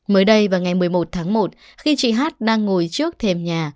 mới đây vào ngày một mươi một tháng một khi chị hát đang ngồi trước thềm nhà